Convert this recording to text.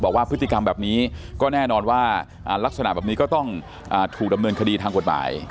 บอกว่าพฤติกรรมแบบนี้ก็แน่นอนว่าลักษณะแบบนี้ก็ต้องถูกดำเนินคดีทางกฎหมาย